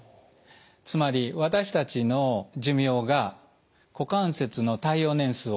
つまり私たちの寿命が股関節の耐用年数を超えてしまうんです。